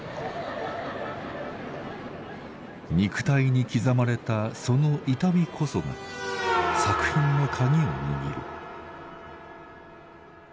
肉体に刻まれたその痛みこそが作品のカギを握る。